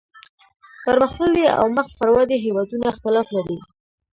پرمختللي او مخ پر ودې هیوادونه اختلاف لري